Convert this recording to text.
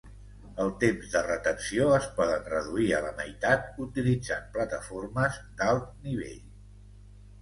El temps de retenció es poden reduir a la meitat utilitzant plataformes d'alt nivell.